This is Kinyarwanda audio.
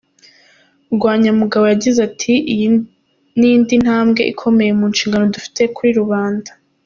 Rwanyamugabo yagize ati "Iyi ni indi ntambwe ikomeye mu nshingano dufite kuri rubanda.